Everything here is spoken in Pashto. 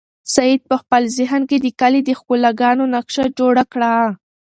سعید په خپل ذهن کې د کلي د ښکلاګانو نقشه جوړه کړه.